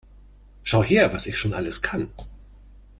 Schau her, was ich schon alles kann!